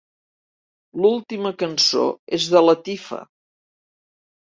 l'última cançó és de Latifa